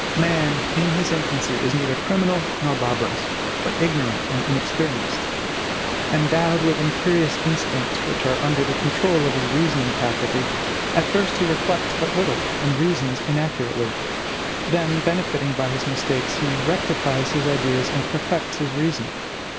Man, in his infancy, is neither criminal nor barbarous, but ignorant and inexperienced. Endowed with imperious instincts which are under the control of his reasoning faculty, at first he reflects but little, and reasons inaccurately; then, benefiting by his mistakes, he rectifies his ideas, and perfects his reason.